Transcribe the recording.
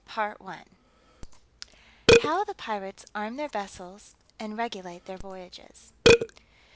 CHAPTER V _How the pirates arm their vessels, and regulate their voyages.